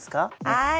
はい。